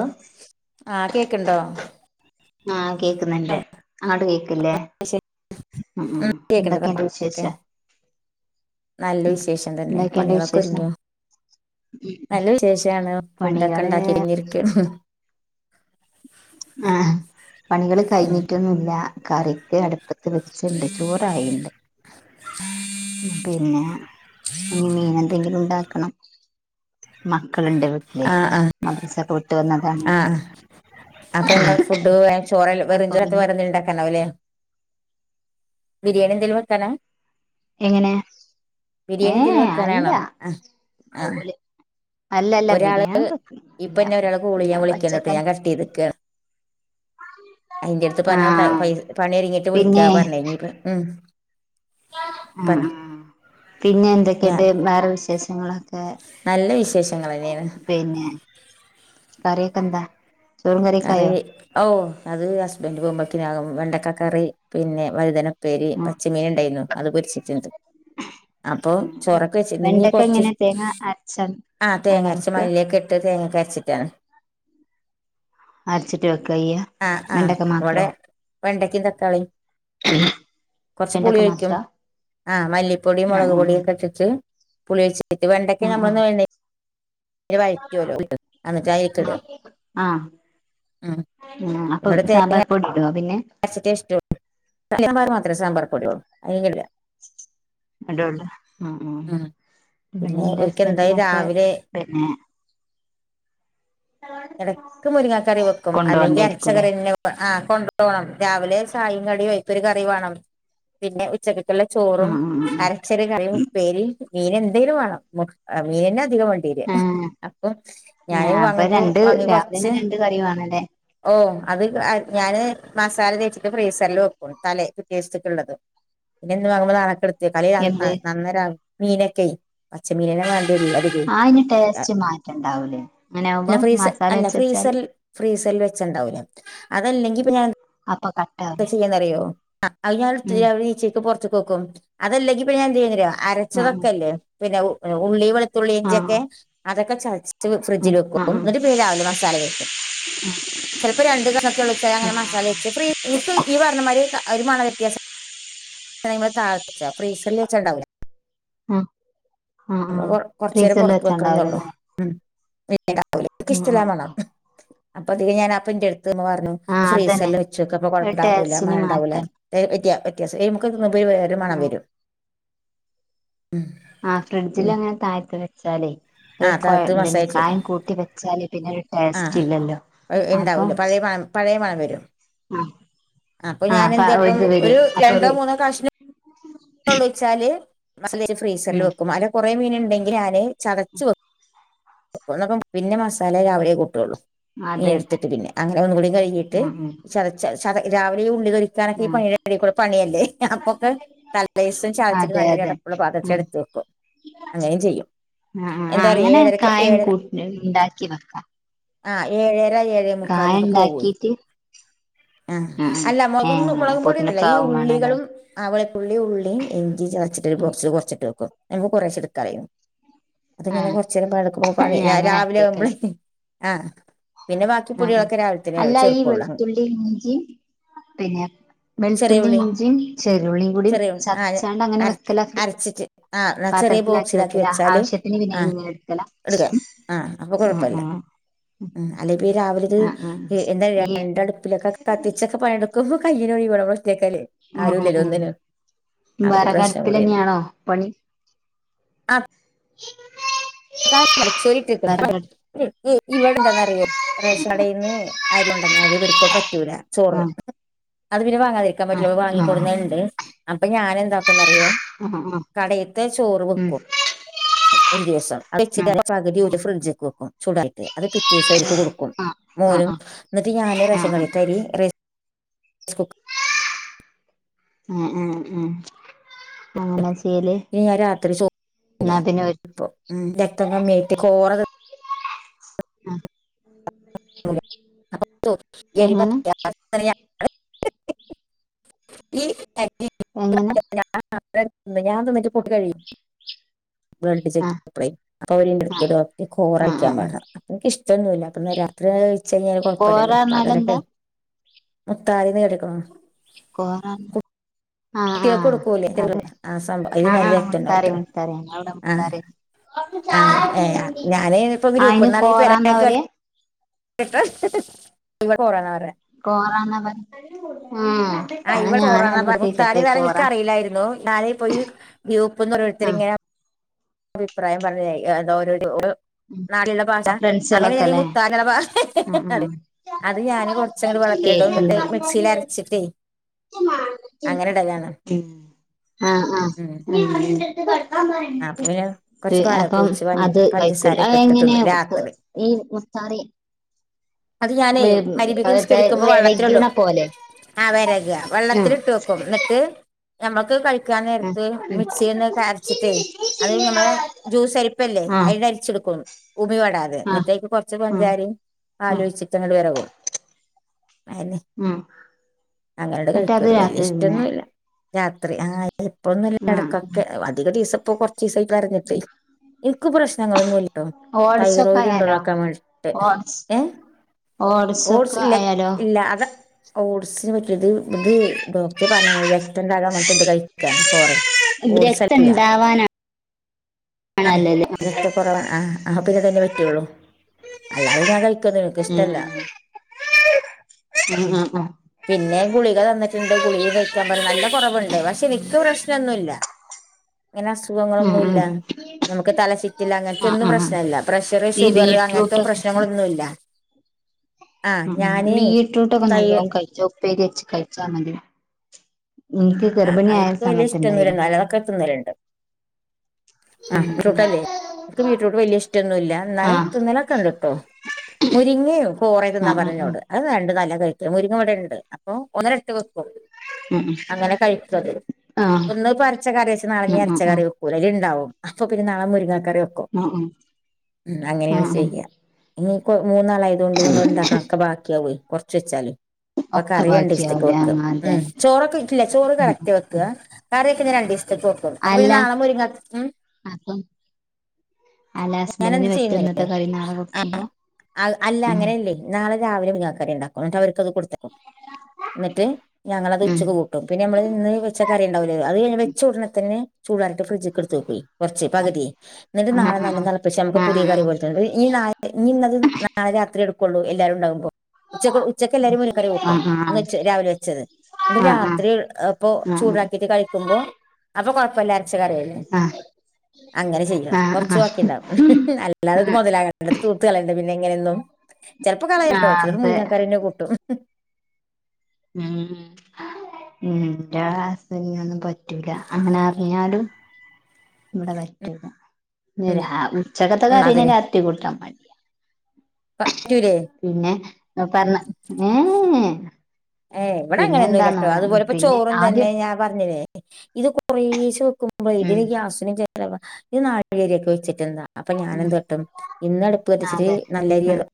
ആഹ് ആഹ് കേക്ക്ണ്ടോ ആഹ് കേക്കുന്നുണ്ട് അങ്ങോട്ട് കേക്കില്ലേ ഉം ഉം കേക്കുണ്ട് പറ എന്തൊക്കെയിണ്ട് ഓക്കെ വിശേഷം നല്ല ഉം വിശേഷം തന്നെ എന്തൊക്കെയുണ്ട് പണികളൊക്കെ വിശേഷം ഒരുങ്ങിയോ നല്ല വിശേഷാണ് ഫുഡ ഒക്കെ പണികള് ഉണ്ടാക്കി കഴിഞ്ഞിരിക്കാണ് ആഹ് പണികൾ കഴിഞ്ഞിട്ടൊന്നുല്ല കറിക്ക് അടു പത്ത് വെച്ചണ്ട് ചോറായിണ്ട് പിന്നെ ഇനി മീൻ എന്തെങ്കിലും ഉണ്ടാക്കണം മക്കളുണ്ട് വീട്ടിലെ ആ ആ മദ്രസൊക്കെ വിട്ട് വന്നതാണ് ആ ആ. അപ്പൊ എന്താ ഫുഡ് വെ ചോറ വെറും അപ്പൊ ചോറത്ത് പിന്നെ വറെന്തേലും ഉണ്ടാക്കാനാവല്ലേ ബിരിയാണി എന്ത്യേലും വക്കാന എങ്ങനെ ബിരിയാണി എന്ത്യേലും ഏഹ് അല്ല വെക്കാനാണോ ആഹ് ആഹ് ഓല് അല്ലല്ല ഒരാള്ക്ക് ബിരിയാണി വെക്കും അല്ല ഇപ്പന്നെ ഒരാള് കോളിയ്യാം ഞാൻ വിളിക്കൻട്ടോ പച്ചക്കറി ഞാൻ കട്ട് ചെയ്ത്ക്കാണ് അയിന്റെറ അടുത്ത് പറഞ്ഞ ആഹ് പൈ പണിഒരിങ്ങീട്ട് വിളിക്കാ പിന്നെ പറഞ്ഞീനിപ്പ ഉം ഉം പറ ഉം പിന്നെ എന്ത ഞാ- എന്തെക്കെന്നിട്ട് വേറെ വിശേഷങ്ങളൊക്കെ നല്ല വിശേഷങ്ങൾ തന്നെയാണ് പിന്നെ കറിയൊക്കെ എന്താ ചോറും കറി കറിയൊക്കായോ ഓ അത് ഹസ്ബൻഡ് പോകുമ്പോക്കക വെണ്ടക്ക കറി പിന്നെ വഴുതന പേര് ആഹ് പച്ചമീനണ്ടായിരുന്നു അത് പൊരിച്ചിട്ടുണ്ട് അപ്പൊ ചോറക്കെ വെച്ചിണ്ട് ഇനി വെണ്ടക്ക കൊറച്ച് എങ്ങനെ തേങ്ങ അരച്ച ആ ആണോ തേങ്ങരച്ച് വെക്ക മല്ലിക്കെ ഇ ട്ട് തേങ്ങക്കെ അരച്ചിട്ടാണ് അരച്ചിട്ട് വെക്കായ്യ വെണ്ടക്ക മാത്രോ വെണ്ടക്കീം തക്കാളീം കൊറച്ച് പുളി വെണ്ടക്ക മാത്ര ഒഴിക്കും ആഹ് മല്ലിപ്പൊടീം മുളക് ആഹ് പൊടിയൊക്കെ ഇിട്ടിട്ട് പുളിഒഴിച്ചിട്ട് ആഹ് വെണ്ടക്കീം നമ്മളൊന്ന് ആഹ് വ എന്നിട്ട് അതിലേക്ക് ഇടുക ആഹ് ആഹ് ഉം ആഹ് അപ്പൊ ഇവിടെ തേങ്ങ സാമ്പാർ പൊടിട്ടോ പിന്നെ [unintelligible] സാമ്പാർ മാത്രമേ സാമ്പാർ പൊഡി ഉള്ളൂ അയിൽ ഇല്ല [unintelligible] ഉം ഉം പിന്നെ നിന്റെ ഇവർക്ക് എന്തായാലും ഹസ്ബന്റിനൊക്കെ രാവിലെ പിന്നെ ഇടക്ക് മുരിങ്ങ കറി വെക്കും അല്ലെങ്കിൽ കൊണ്ടോണ്ടായിരിക്കൂല്ലേ അരച്ചക്കറി ആഹ കൊണ്ടുപോണം രാവിലെ ചായിം കടി അയ്ക്കൊരു കറി വേണം പിന്നെ ഉച്ചക്കത്തുള്ള ചോറും ആഹ് ആഹ് അര ചെറിയ കറീം ഇപേരീം മീൻ എന്തെങ്കിലും വേണം മീനന്നെ അധികംണ്ട [unintelligible] തീര് ആഹ് അപ്പൊ ഞാന് ആഹ് അപ്പൊ വാങ്ങുമ്പോ രണ്ട് വാങ്ങി കൊറച്ച് രാവിലെന്നെ രണ്ട് കറി വേണല്ലേ ഓ അത് അത് ഞാന് മസാല തേച്ചിട്ട് ഫ്രീസറിൽ വെക്കും തലേ പിറ്റേസത്ത്ക്ക്ള്ളത് പിന്നെ ഇന്ന് വാങ്ങുമ്പോ നാളെ എടു തലേ ആ എന്ത് നന്നൊരാവി മീനൊക്കെ പച്ച മീനന്നെ വേണ്ടല്ല അ ആ അയിന് ടേസ്റ്റ് മാറ്റണ്ടാവൂലേ അങ്ങനെയ അല്ല ആവുമ്പോ ഫ്രീസർ അല്ല മസാലേച്ചച്ചാല് ഫ്രീസറിൽ ഫ്രീസറിൽ വെച്ചാണ്ടാവില്ലേ അതല്ലെങ്കി ഇപ്പം ഞാൻ അപ്പൊ ക ചെയ്യാന്നറിയോ ആ അത് ഞാൻ ഉം [unintelligible] പുറത്തുക്ക് വെക്കും അതല്ലെങ്കി ഇപ്പ ഞാൻ എന്ത്ചെയ്യുനറിയോ ഉം ഉം അരച്ചതൊക്കെല്ലേ പിന്നെ ഉള്ളി വെളുത്തുള്ളി ആഹ് ഇഞ്ചൊക്കെ അതൊക്കെ ചതച്ച ഫ്രിഡ്ജിൽ ഉം ഉം വെക്കും ഉം എന്നിട്ട് പിന്നേ രാവിലെ മസാല തേക്കും ചിലപ്പോ രണ്ട് ദിവസം ഒക്കെ ഒന്നിച്ച് അങ്ങന മസാല വെച്ച് ഫ്രീ ഇപ്പ ഈ പറഞ്ഞമാതിരി ഒരു മണ വ്യത്യാസം നിമ്മൾ താഴ്ച്ച ഫ്രീസറിൽ വെച്ച ഉണ്ടാവില്ല ആഹ് ആഹ് നമ്മള് കുറച്ചു നേരം ഫ്രീസറിൽ പുറത്ത് വെക്കണംന്നുള്ളൂ വെച്ചലുണ്ടാവില്ലല്ലേ ഉം പിന്ന രാവിലക്ക് എനിക്ക് ഇഷ്ടല്ല ഉം ആ മണം അപ്പൊ അധികം ഞാൻ അപ്പന്റെ അടുത്ത്ന്ന് പറഞ്ഞു ആഹ് അതന്നെ ഫ്രീസറിൽ വെച്ചോക്ക് അപ്പൊ കൊഴപ്പം ഒരു ഉണ്ടാവൂല ടേസ്റ്റിന് മണം ഉണ്ടാവൂല മാറ്റാണ് ത് വ്യത്യാസം നമുക്ക് [unintelligible] മണം ഉം വരും ഉ [unintelligible] ആ ഫ്രിഡ്ജിൽ അങ്ങനെ താഴത്ത് വെച്ചാലേ ആ താഴത്ത് പിന്നെ മസാജ് വെക്കും കായം കൂട്ടി വെച്ചാല് പിന്നെ ഒരു ടേസ്റ്റ് ഇല്ലല്ലോ അത് അപ്പം ഉണ്ടാവൂല പഴയ പണം പഴയ മണം വരും ആഹ് അപ്പൊ ആഹ് ഞാൻ അപ്പെ എന്ത് ഒര് കാട്ടും ഇത് ഒരു വരും അപ്പൊ ഒര് മീൻ. ഒള്ളു വെച്ചാല് [unintelligible] ഫ്രീസറിൽ ഉം വെക്കും അല്ല കുറെ മീന് ഉണ്ടെങ്കിൽ ഞാന്ന് ചതച്ച് വെക്കും [unintelligible] പിന്നെ മസാല രാവിലെ കൂട്ടുള്ളൂ മീൻ അതെ അതെ എടുത്തിട്ട് പിന്നെ അങ്ങനെ ഒന്ന് കൂടി കഴികീട്ട് ഉം ഉം ചതച്ച ച്ച രാവിലെ ഉള്ളിതൊലിക്കാനൊക്കെ ഈ ഉം പണിയൂ പണിയല്ലേ അപ്പൊക്കെ ലേശം ചാതച്ചിട്ട് അതെ നല്ലൊരു അതെ അടപ്പുള്ള പാത്രത്തില് ഉം എടുത്ത് വെക്കും അങ്ങനെയും ചെയ്യും ആഹ് ആഹ് എന്താ പറയാ അങ്ങനെ ഏഴരക്ക് കായം ഏഴര കൂ ഉണ്ടാക്കി വെക്കാം ആ ഏഴേര ഏഴേ കായം മുക്കാലിലൊക്കെ പോവോയ് ഇണ്ടാക്കീട്ട് ആഹ് അല്ല മുകന്ന ഏഹ് മുളകും പൊടിയന്നല്ല അപ്പോത്തിനൊക്കെ ഈ ആവും വേണല്ലേ ഉള്ളികളും വെളപ്പുള്ളി ഉള്ളി ഇഞ്ചി ചതച്ചിട്ട് ഒരു ഉം ബോക്സിൽ കുറച്ചിട്ട് വെക്കും അതാകുമ്പോ കുറേശേ എടുക്കാലോ ആയിന് അതിങ്ങനെ ആഹ് കൊറച്ച നേരം പ എടുക്കുമ്പോ പണി അങ്ങനെ രാവിലെ ആക്കിയേക്കലാ ആവുമ്പോളേ ആഹ് പിന്നെ ബാക്കി പൊടികളൊക്കെ രാവിലത്തിെ ചെറുക്കള്ളൂ ഇഞ്ചിം പിന്നെ ചെറിയ വെളുത്തുള്ളി ഉള്ളി ഇഞ്ചിയും ചെറുള്ളിയും കൂടും ചെറിയ ഉള്ളി ആ ചച്ചാണ്ട് അങ്ങനെ അര വെക്കല അരച്ചിട്ട് ആഹ് ചെറിയ പാത്രത്തിലാക്കി ബോക്സിലാക്കി വെക്കല വെച്ചാല് ആവശ്യത്തിന് പിന്നെ അയിന്ന് ആഹ് ഇങ്ങനെ എടുക്കല എടുക്ക ആഹ് അപ്പൊ ഉം കുഴപ്പല്ല ഉം ഉം അല്ലെപ്പ ഈ രാവില ഇത് ആഹ് ആഹ് എന്താ ഈ രണ്ടടുപ്പിലൊക്കെ കത്തിച്ച ഒക്കെ പണിയെടുക്കും കയ്യിന്ന് [unintelligible] ഉം ഉം ഒരു പ്രശ്നം കൂടിയാണ് വിറകടുപ്പിൽന്നെയാണോ പണി ആ [unintelligible] വെറകട് [unintelligible] ഇവിടെ എന്താന്നാറിയോ ഉം റേശൻ ഉം കടയിൽന്ന് അരി കെണ്ടന്നാല് ഇവർക്ക് പറ്റൂല ചോറ് ആഹ് അത് പിന്നെ വാങ്ങാതിരിക്കാൻ പറ്റുള്ള ആഹ് ഓല് വാങ്ങിക്കെടുന്നത് ആഹ് ഉണ്ട് അപ്പൊ ഞാൻ എന്താക്കും ന്നറിയോ ആഹ് ആഹ് കടയിത്തെ ചോറ് ഉം വെക്കും ഒരു ദിവസം അത് ആഹ് വച്ചിട്ട് ഉം പകുതി ഫ്രിഡ്ജ്ക്ക് വെക്കും ചൂടാറിട്ട് അത് പിറ്റേ ദിവസം അവര്ക്ക് കൊടുക്കും ആഹ് മോനും ആഹ് എന്നിട്ട് ഞാൻ ആഹ് റേഷൻ ആഹ് കടീത്ത അരി റൈസ് കുക്ക് ഉ ഉം ഉം അങ്ങനെ ചെയ്യല് ഇനി ഞാൻ രാത്രി ചോറില്ല എന്നാ പിന്നെ ഉം രക്ത കമ്മി ആയിട്ട് കോറ തിന്ന ആഹ് [unintelligible] [unintelligible] എങ്ങനെ എങ്ങനെ ഞാൻ ഞാൻ തിന്നിട്ട് ഫുട്ട് കഴിയും [unintelligible] ആഹ് അപ്പയും അപ്പൊ അവരെന്റെടുത്ത് ആഹ് ഡോക്ടറ് ആഹ് കോറഴിക്കാൻ ആഹ് ഉം പറഞ്ഞു അപ്പോ എനിക്ക് ഇഷ്ടൊന്നുമല്ല അപ്പൊ ഇന്ന് രാ ഉച്ച കഴിഞ്ഞാല് കുഴപ്പില്ലല്ലോ കോരാന്നാലെന്താ പകലൊക്കെയാണ് മുത്താദ്യമേ എടുക്കണം കോറാൻ [inaudible] കുട്ടികൾക്ക് കൊടുക്കൂലേ ആഹ് സംഭവം അതിൽ ആഹ് നല്ല ആഹ് മുത്താറി രക്തണ്ടാവുത്രെ മുത്താറി ഞങ്ങളിവിടെ മുത്താറി ആഹ് ഞാന് ഇപ്പൊ ആഹ് അയിന് ഗ്രൂപ്പ്ന്നാണെ കോറാന്നാ [unintelligible] പറയാ [unintelligible] കോറാന്ന പറ ഉം ആഹ് ഇവി കോറാന്നാ പറയാ മുത്താരി ആണെന്ന് എനിക്കറിയില്ലായിരുന്നു ഈ ഗ്രൂപ്പിന് ഓരോരുത്തര് ആഹ് ഇങ്ങനെ അഭിപ്രായം പറഞ്ഞെ ഓരോരോ ഉം നാടിയുള്ള ഭാഷ ആഹ് അങ്ങനെ ഈ ഫ്രണ്ട്സുകളൊക്കെല്ലേ മുത്താന്നുള്ള ഭാഷ ഉം ഉം അതെ അത് ഞാന് കുറച്ച് അങ്ങോട്ട് വെള്ളത്തിലിടും അന്നിട്ട് മിക്സീല് അരച്ചിട്ടേ ഉം അങ്ങനെ ഇടലാണ് ആഹ് ആഹ് ഉം ഉം അപ്പൊ പിന്നെ കുറച്ച് [unintelligible] പാലൊക്കെ അപ്പം ഒഴിച്ച് അത് പഞ്ചസാരയൊക്കെ ഇട്ട് തിന്നും രാത്രി [unintelligible] അത് ഞാന് മരിബിക്ക് നിസ്കരിക്കുമ്പോ വെരകണ വെള്ളത്തിടും പോലെ ആഹ് വരേക ആഹ് വെള്ളത്തിലിട്ടു വെ ക്കും എന്നിട്ട് ഞമ്മക്ക് കഴിക്കാൻ നേരത്ത് ഉം മിക്സിന്ന് അരച്ചിട്ടേ അത് കഴിഞ്ഞ് ഞമ്മളെ ജൂസരിപ്പയില്ലേ ആഹ് ആഹ് അതില് അരിച്ചെടുക്കും ഊമി പെടാതെ അതെ എന്നിട്ടേക്ക് കൊറച്ച് ആഹ് ആഹ് പഞ്ചാരയും ആഹ് പാലൊഴിച്ചിട്ട് അങ്ങ് വിരകും അയന്നെ അങ്ങനങ്ങട്ട് എന്നിട്ട് കഴിക്കും അത് വല്യ രാത്രി തിന്നേ ഇഷ്ടൊന്നുമില്ല രാത്രി ആഹ് എപ്പഴൊന്നുമല്ല ആഹ് ഇടക്കൊക്കെ അധിക ദിവസം ഇപ്പൊ കൊറച്ച് ദിവസമായി പറഞ്ഞിട്ടേ എനിക്ക് പ്രശ്നങ്ങളൊന്നുമില്ലട്ടോ ഓട്സൊക്കെ തൈറോയിഡ് ആയാലോ ഉണ്ടോന്നോക്കാൻ വേണ്ടിട്ട് ഓട്സ് ഏഹ് ഓട്സ് ഓട്സൊക്കെ ഇല്ല ആയാലോ ഇല്ല അത ഓട്സ് ഇത് ഇത് ഡോക്ടറ് പറഞ്ഞത് രക്ത തം ഉണ്ടാകാൻ വാണ്ടിട്ട് ഇത് കഴിക്കുക കോറ ഓട്സ് രക്തം അല്ല ഉണ്ടാവാനാണല്ലല്ലേ ആഹ് രക്തക്കൊറവാണ് ആഹ് ആഹ് അപ്പൊ ഇതന്നെ പറ്റുള്ളൂ അല്ലാതെ ഞാൻ കഴി ക്കുന്ന നിനക്ക് ഉം ഇഷ്ടല്ല ഉം പിന്നെ ഗുളിക തന്നിട്ടുണ്ട് ഗുളിക കഴിക്കാൻ പറഞ്ഞ് നല്ല കുറവുണ്ട് പക്ഷെ എനിക്ക് പ്രശ്നൊന്നുമല്ല. അങ്ങനെ ഉം ഉം അസുഖങ്ങളൊന്നുമില്ല ഉം നമുക്ക് തല ചുറ്റില്ല അങ്ങനത്തെ ആഹ് ഒന്നും ആഹ് പ്രശ്നമില്ല പ്രഷറ് ഈ ഷുഗറ് അങ്ങനത്തെ ബീറ്റ്റൂട്ടൊക്കെ പ്രശ്നങ്ങളൊന്നും ഇല്ല ഉം ഉം ബീറ്റ്റൂട്ടൊക്കെ തൈ നല്ലോ കഴിച്ചോ ഉപ്പേരി വെച്ച് കഴിച്ചാ മതി എനിക്ക് ആഹ് ഗർഭിണി ആയ അത്ക്ക് വലിയ ഇഷ്ടവൊന്നുമില്ല സമയത്തുണ്ടായിനി എന്നാലും അതൊക്കെ തിന്നലുണ്ട് ആഹ് ഉം ഉം ബീട്രൂട്ടല്ലേ എനിക്ക് ബീറ്റ്റൂട്ട് വലിയ ഇഷ്ടമൊന്നുമില്ല എന്നാലും ആഹ് തിന്നൽ ഒക്കെ ഉണ്ട് കേട്ടോ മുരിങ്ങിയും കോറെ തിന്നാൻ ആഹ് പറഞ്ഞു എന്നോട് അത് രണ്ടും നല്ലോം കഴിക്കും മുരിങ്ങ ഇവിടെ ഉണ്ട് അപ്പൊ ഒന്നര എട്ട് വെക്കും മ്മ് മ്മ് കഴിച്ചത് ഒന്ന് ഇപ്പം അരച്ച കറി വെച്ച് നാളഞ്ഞി ഉം അരച്ച ഉം ആഹ് ഉം ഉം കറി വെ ക്കൂല ഉണ്ടാവും അപ്പൊ പിന്നെ നാളെ മുരുങ്ങക്കറി വെക്കും ഉം ഉം ഉം ഉം ആഹ് അങ്ങനെയാണ് ആഹ് ചെയ്യാ മൂക്ക് മൂന്നാള് ആയത് കൊണ്ട് ഞമ്മള് ഒണ്ടാക്കണ ഒക്കെ ബാക്കിയാവുവേ കൊറച്ച് വെച്ചാലും അപ്പം ഒക്കെ കറി രണ്ട് ദിവസത്തേക്ക് ബാക്കിയാവൂലേ ആഹ് വെക്കും അതെ ഉം ചോറ് ഒക്കെ ഇട്ടില്ലേ ചോറ് കറക്റ്റ് വെക്കുക കറി ഒക്കെ ഞാൻ രണ്ട് ദിവസത്തേക്ക് വെക്കും അപ്പൊ പിന്ന അല്ല നാളെ മുരിങ്ങ ഉം അപ്പം അല്ല ഞാന് ഹസ്ബൻഡിന് എന്ത് പറ്റും ചെയ്യുന്ന് ഇന്നത്തെ ആറിയോ കറി നാളെ വെക്കുമ്പോ അ അല്ല ഉം അങ്ങനെ ലെയ്ഞ്ഞു നാളെ രാവിലെ ഞാൻ കറി എണ്ടാക്കും എന്നിട്ട് അവർക്ക് ഒക്കെ കൊടുത്തേക്കും എന്നിട്ട് ഞങ്ങളത് ഉം ഉച്ചക്ക് കു പിന്നെ നമ്മള് ഇന്നലെ വെച്ച കറി ഇണ്ടാവു ഇല്ലല്ലോ അത് കഴിഞ്ഞ് വെച്ച് ഉടനെ തന്നെ ചൂട് അറിയിട്ട് ഫ്രി്ഡ്ജ്ക്ക് എടുത്ത് വെക്കുവേ കൊറച്ചേ പകുതിയെ എന്നിട്ട് നാളെ ആഹ് നല്ല തെളപ്പിച്ച് നമക്ക് ആഹ് പുതിയ കറി പോലെ തന്നെ ഇനി ഇന്നത് നാളെ രാത്രി എടുക്കോള്ളൂ. എല്ലാരും ഉണ്ടാകുമ്പോ ഉച്ചക്ക് എല്ലാരും ഒരു കറി കൂട്ടും ആഹ് ആഹ് ആഹ് ഇന്ന് വെച്ച രാവിലെ വെച്ചത് ആഹ് ആഹ് അപ്പോ ആഹ് ചൂടാക്കിയിട്ട് കഴിക്കുമ്പോ അപ്പൊ കൊഴപ്പോല്ല അരച്ച കറി അല്ലേ ആഹ അങ്ങനെ ചെയ്യക കൊറച്ച് വാക്കി എണ്ടാവും അല്ലാതെ ഇത് ആഹ് മൊതലാകത്ത് ഇല്ല ഇത് തൂത്ത് കളയണ്ട പിന്നെ ഇങ്ങനെ എന്നും ചെലപ്പ കളയട്ടോ ചെലപ്പ അതെ മുരിങ്ങ കറി അന്നെ കൂട്ടും ഒന്നും പറ്റൂല അങ്ങനെ അറിയാലും ഇവിടെ പറ്റുല്ല ഇന്ന് ഉം രാവ് ഉച്ചകത്തെ ഉം കറി അന്നെ അതിന് രാത്രി കൂട്ടാൻ മടിയാ പറ്റുലെ പിന്നെ പറഞ്ഞ ഏ് പിന്നെ ഇവിടെങ്ങനൊന്നും എന്താന്നോ ഇല്ലാട്ടോ അതുപോലെ ഇപ്പോ പിന്നെ ചോറും തന്നെ ആദ്യം പറഞ്ഞില്ലേ ഇത് കൊറേശ വെക്കുമ്പോ ഉം ഇ ഗ്യാസിനും ചെലവാ മീഴേരിയക്കെ ഉച്ചക്ക് എന്താ അപ്പ ഉം ഞാനെന്ത തട്ടും ഇന്ന് അടുപ്പ് കത്തച്ചിട്ട് അതെ നല്ലരി ഉം ഇറും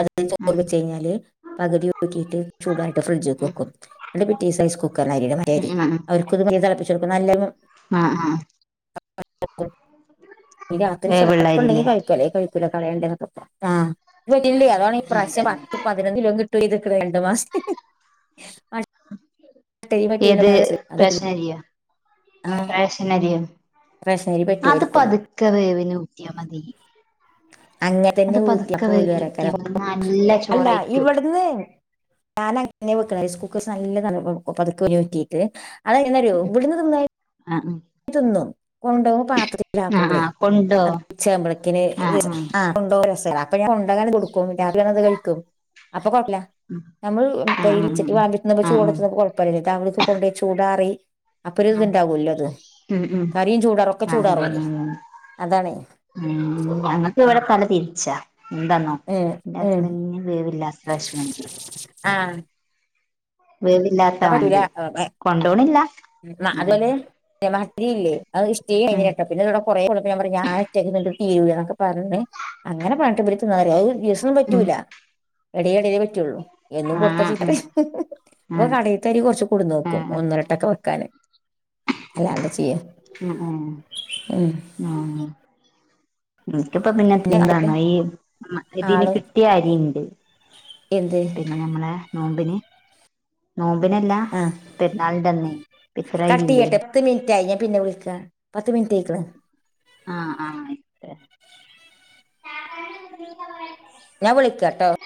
അത് ഇന്ന് ഉം ചോറ് വെച്ച് കഴിഞ്ഞാല് പകുതി ഊറ്റിയിട്ട് ചൂടായി ഫ്രിഡ്ജക്ക് ഉം വെക്കും അന്റെ പിറ്റേ ദിവസം സൈസ് കുക്കറില് അരിടും മറ്റേ അരി ഉം അവർക്ക് ഇത് തിളപ്പിച്ച കൊടുക്കും നല്ലവും ആഹ അപ്പ എന്ത് വെക്കും രാത്രി ചെലപ്പ ഒണ്ടെങ്കി വേവുള്ളരില്ലേ കഴിക്കും അല്ലെങ്കി കഴി ക്കുല കളയണ്ടേന്ന് ഒക്കെ ആ വെട്ടില്ലേ അതാണ് ഇപ്രാവശ്യം അതന്നെ [unintelligible] ഇതൊക്കെ രണ്ട് മാസ ഏത് റേഷൻ അരിയോ റേഷൻ അരിയോ റേഷൻ അരി അത് പതുക്കെ വേവിന് ഊറ്റിയ മതി അങ്ങനെ തന്നെ അത് ഊറ്റി പതുക്കെ അപ്പൊ വേവിന് ഓലുവരക്കര ഊറ്റിയ മതി നല്ല അല്ല ചോറായിരിക്കും ഇവിടുന്ന് ഞാന് അങ്ങനെ വെക്കണ സൈസ് കുക്കേഴ്സ് നല്ലതാന്ന് അപ്പ പതുക്ക ഊറ്റിയിട്ട് അത് എന്താ അറിയോ ഇവിടുന്ന് തിന്നേ ആഹ തിന്നു കൊണ്ട് വന്ന് പാത്രത്തിൽ ആഹ് ആഹ് ആക്കുമ്പളേ ആഹ് കൊണ്ടോ അത് ഉച്ചമ്പളക്കിന് ആഹ് അപ്പൊ ഞാൻ കോടകാൻ കൊടുക്കും രാവിലെ അത് കഴിക്കും അപ്പൊ കൊഴപ്പില്ല നമ്മള് ആഹ് ഇപ്പ ഈ ആഹ് ഉച്ചയ്ക്ക് വാങ്ങി തിന്നപ്പോ ആഹ് ചൂടത്ത് ആഹ് നമുക്ക് കോ പതിനേട്ടാമേടത്ത് കൊണ്ടേ ചൂടാറി അപ്പ ഒരു ഇത് ഇണ്ടാാവൂ എല്ലാതും ആഹ അത് തന്നെ അതാണ് ഞങ്ങക്ക് ഉം ഇവിടെ തല തിരിച്ചാ എന്താ ഉം റേഷൻ മന്തി ആഹ വേവ് ഇല്ല ഇവിടെ പറ്റൂല്ല ഒ ഉം അതല് കെമാഡ്രി ഇല്ലേ അത് ഇഷ്ടികേണ് ഉം കട്ട പിന്നെ ഇവിടെ കൊറെ കൊണ്ട് വന്നമ്പോ ഞാൻ പറയും ഞാന് ഒറ്റയ്ക്ക് പെറുക്കിയാൻ തീരൂല്ല എന്ന് ഒക്കെ പറഞ്ഞ് അങ്ങനെ പണിട്ട് പിടുത്ത നാരയ് ദേവസോം ഉം പറ്റൂല ഇടഇട യിലെ പ പറ്റുള്ളൂ എന്നും ആഹ് കൊടുത്ത ചിത്ത ആഹ് പറയും. അപ്പൊ ആഹ് കടെത്തെ അരി കൊറച്ച് കൊട്ന്ന്ക്കും ആഹ് ഒന്നരട്ട് ഒക്കെ വെക്കാന് അല്ലാ എന്താ ചെയ്യ. ഉം ഉം ആഹ്. എനിക്കിപ്പ പിന്നെ എന്താണോ ഈ ഇതിന് ആള് കിട്ടിയ അരിയിണ്ട്. എന്ത് പിന്നെ ഞമ്മളെ നോമ്പിന്. നോമ്പിനല്ല ആഹ് പെരിന്നാളിന്റന്നെ കട്ട് പിത്രായിനല്ലേ? ചെയ്യട്ടെ പത്ത് മിനിറ്റായി ഞാൻ പിന്നെ വിളിക്കാ പത്ത് മിനിറ്റ് ആയിക്കണ്. ആഹ് ആഹ്. ഞാൻ വിളിക്കാം ട്ടോ.